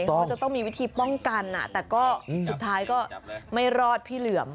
ถูกต้องว่ามีวิธีป้องกันอะแต่ก็สุดท้ายก็ไม่รอดพี่เหลื่ม